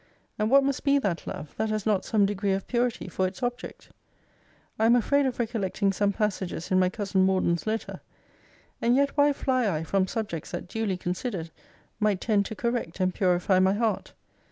And what must be that love, that has not some degree of purity for its object? I am afraid of recollecting some passages in my cousin Morden's letter. And yet why fly I from subjects that, duly considered, might tend to correct and purify my heart?